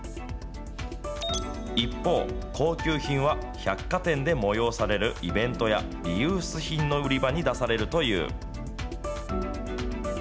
一方、高級品は百貨店で催されるイベントやリユース品の売り場に出されるという。